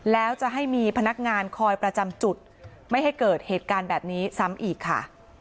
แล้วจะให้มีพนักงานคอยประจำจุดไม่ให้เกิดเหตุการณ์แบบนี้ซ้ำอีกค่ะ